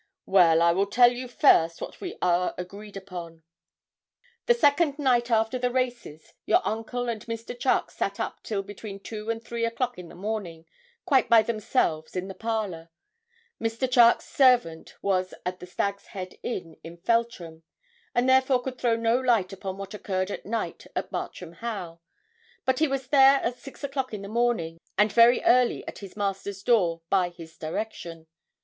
'Well, I will tell you first what all are agreed about. The second night after the races, your uncle and Mr. Charke sat up till between two and three o'clock in the morning, quite by themselves, in the parlour. Mr. Charke's servant was at the Stag's Head Inn at Feltram, and therefore could throw no light upon what occurred at night at Bartram Haugh; but he was there at six o'clock in the morning, and very early at his master's door by his direction.